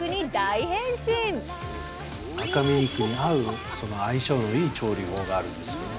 赤身肉に合う相性のいい調理法があるんですよね。